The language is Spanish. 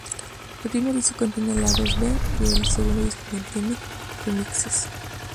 El primer disco contiene lados b y el segundo disco contiene remixes.